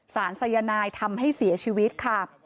สายนายทำให้เสียชีวิตค่ะ